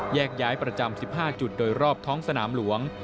แยกย้ายประจำ๑๕จุดโดยรอบท้องสนามหลวง